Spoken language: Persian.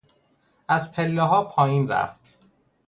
از پلهها پایین رفت.